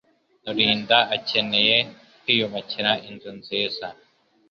Iurinnda akeneye kwiyubakira inzu nziza.